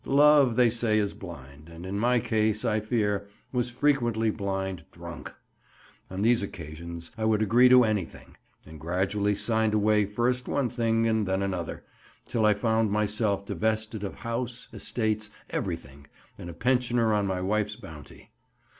Love, they say, is blind, and in my case, I fear, was frequently blind drunk. On these occasions I would agree to anything, and gradually signed away first one thing, and then another, till I found myself divested of house, estates, everything, and a pensioner on my wife's bounty.